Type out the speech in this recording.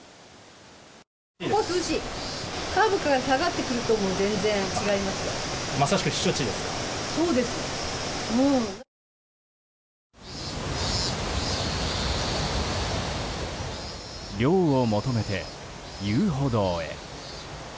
涼を求めて遊歩道へ。